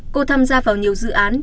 cô tham gia vào nhiều dự án